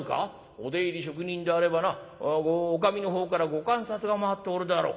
お出入り職人であればなおかみの方からご鑑札が回っておるであろう。